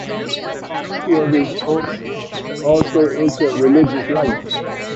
Two of his aunts also entered religious life.